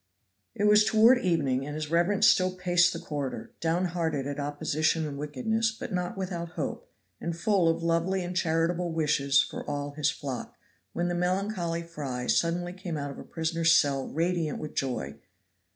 It was toward evening, and his reverence still paced the corridor, downhearted at opposition and wickedness, but not without hope, and full of lovely and charitable wishes for all his flock, when the melancholy Fry suddenly came out of a prisoner's cell radiant with joy.